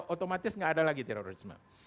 otomatis nggak ada lagi terorisme